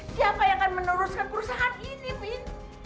siapa yang akan meneruskan perusahaan ini win